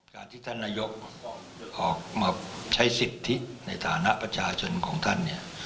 การที่ท่านนายกออกมาใช้สิทธิในฐานะประชาชนของท่านเนี่ย